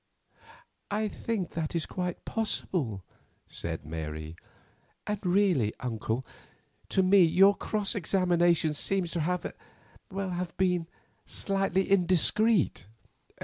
"I think that quite possible," said Mary; "and really, uncle, to me your cross examination seems to have been slightly indiscreet."